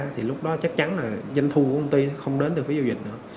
thì lúc đó chắc chắn là danh thu của công ty không đến từ phí giao dịch nữa